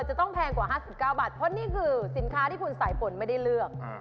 แพงกว่า๕๙บาทเพราะนี่คือสินค้าที่คุณสายฝนไม่ได้เลือก